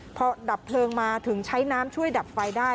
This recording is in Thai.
พอดับเพลิงมาถึงใช้น้ำช่วยดับไฟได้